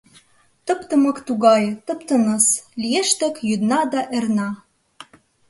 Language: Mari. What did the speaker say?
Тып-тымык тугае, тып-тыныс Лиеш тек йӱдна да эрна.